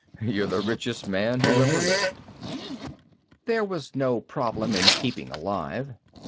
You're the richest man who ever lived._ There was no problem in keeping alive.